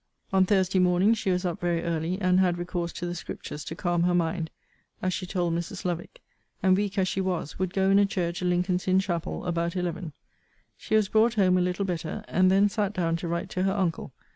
On Thursday morning she was up very early; and had recourse to the Scriptures to calm her mind, as she told Mrs. Lovick: and, weak as she was, would go in a chair to Lincoln's inn chapel, about eleven. She was brought home a little better; and then sat down to write to her uncle.